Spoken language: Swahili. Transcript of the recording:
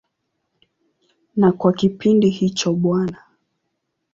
Na kwa kipindi hicho Bw.